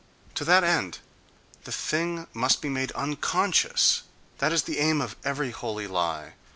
To that end the thing must be made unconscious: that is the aim of every holy lie.